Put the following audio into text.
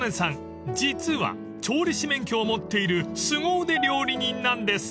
［実は調理師免許を持っているすご腕料理人なんです］